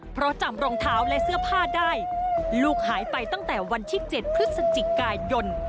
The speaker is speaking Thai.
เพราะจำรองเท้าและเสื้อผ้าได้ลูกหายไปตั้งแต่วันที่๗พฤศจิกายน